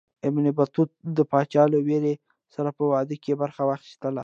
ابن بطوطه د پاچا له ورېرې سره په واده کې برخه واخیستله.